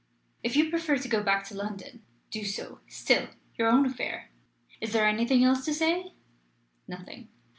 If you prefer to go back to London, do so. Still your own affair. Is there anything else to say?" Nothing.